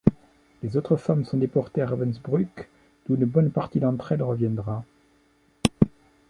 Les autres femmes sont déportées à Ravensbrück, d'où une bonne partie d'entre elles reviendra.